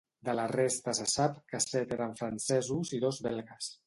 De la resta se sap que set eren francesos i dos belgues.